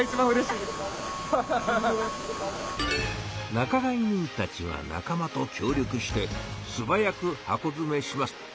仲買人たちは仲間と協力してすばやく箱づめします。